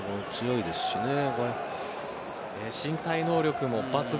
身体能力も抜群。